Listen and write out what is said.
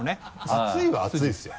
熱いは熱いですよ。